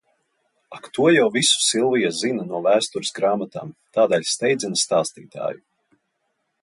Ak to jau visu Silvija zina no vēstures grāmatām, tādēļ steidzina stāstītāju.